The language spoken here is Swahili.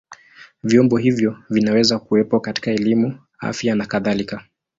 Vyombo hivyo vinaweza kuwepo katika elimu, afya na kadhalika.